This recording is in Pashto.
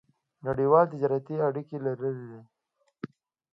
نړیوالې تجارتي اړیکې لرلې.